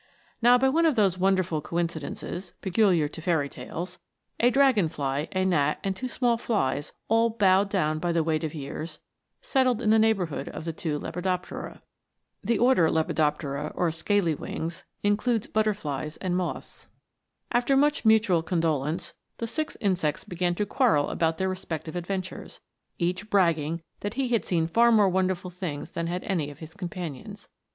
Now, by one of those wonderful coincidences peculiar to fairy tales, a dragon fly, a gnat, and two small flies, all bowed down by weight of years, settled in the neighbourhood of the two lepidoptera.* After much mutual condolence, the six insects began to quarrel about their respective adventures, each bragging that he had seen far more wonderful things than had any of his companions.